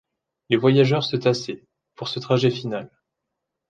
Les voyageurs se tassaient, pour ce trajet final.